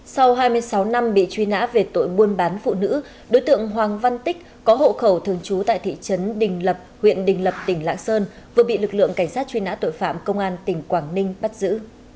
sau hai mươi sáu năm bị truy nã về tội buôn bán phụ nữ đối tượng hoàng văn tích có hộ khẩu thường trú tại thị trấn đình lập huyện đình lập tỉnh lạng sơn vừa bị lực lượng cảnh sát truy nã tội phạm công an tỉnh quảng ninh bắt giữ